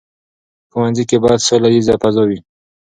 په ښوونځي کې باید سوله ییزه فضا وي.